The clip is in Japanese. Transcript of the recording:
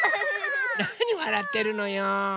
なにわらってるのよ。